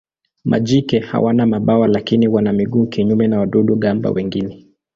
Majike hawana mabawa lakini wana miguu kinyume na wadudu-gamba wengine.